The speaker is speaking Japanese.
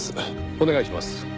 お願いします。